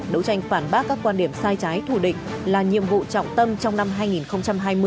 đấu tranh phản bác các quan điểm sai trái thù định là nhiệm vụ trọng tâm trong năm hai nghìn hai mươi